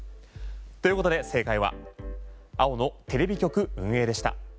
ということで正解は青のテレビ局運営でした。